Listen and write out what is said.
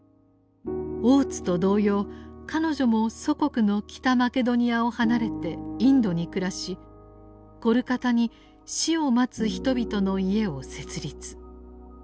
大津と同様彼女も祖国の北マケドニアを離れてインドに暮らしコルカタに「死を待つ人々の家」を設立。